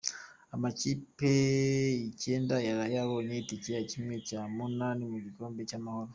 Amakipe icyenda yaraye abonye itike ya kimwe cya munani mu gikombe cy’Amahoro